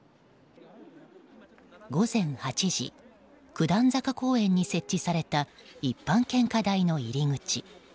午前８時九段坂公園に設置された一般献花台の入り口。